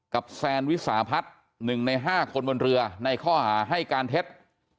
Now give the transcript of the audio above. แซนวิสาพัฒน์๑ใน๕คนบนเรือในข้อหาให้การเท็จ